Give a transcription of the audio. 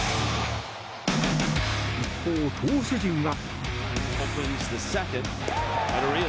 一方、投手陣は。